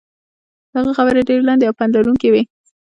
د هغه خبرې ډېرې لنډې او پند لرونکې وې.